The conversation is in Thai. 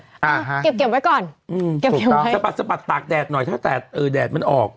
อ่าฮะเก็บไว้ก่อนสปัดตากแดดหน่อยถ้าแตดเออแดดมันออก